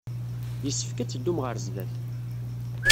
Yessefk ad teddum ɣer sdat.